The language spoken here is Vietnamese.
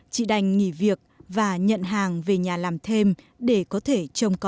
chị đành nghỉ việc và nhận hàng về nhà làm thêm để có thể trồng